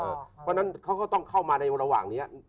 เพราะฉะนั้นเขาก็ต้องเข้ามาในระหว่างนี้